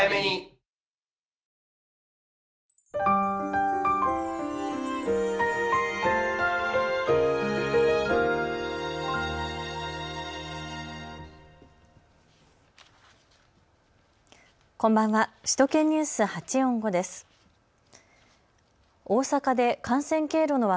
こんばんは。